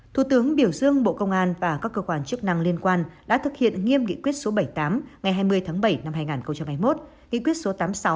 thủ tướng biểu dương bộ công an và các cơ quan chức năng liên quan đã thực hiện nghiêm nghị quyết số bảy mươi tám ngày hai mươi tháng bảy năm hai nghìn hai mươi một